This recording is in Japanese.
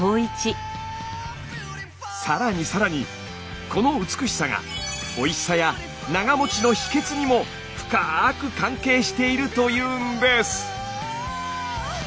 更に更にこの美しさがの秘けつにも深く関係しているというんです！